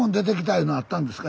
いうのあったんですか？